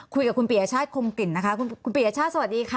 คุยกับคุณปียชาติคมกลิ่นนะคะคุณปียชาติสวัสดีค่ะ